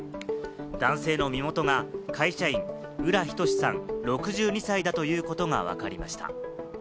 男性の身元が会社員・浦仁志さん、６２歳だということがわかりました。